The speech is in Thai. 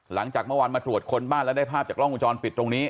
หลังจากเมื่อวานมาตรวจคนบ้านแล้วได้ภาพจากกล้องวงจรปิดตรงนี้